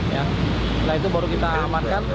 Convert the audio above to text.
setelah itu baru kita amankan